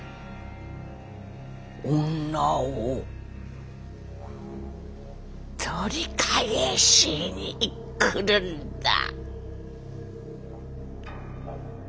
女を取り返しに来るんだ。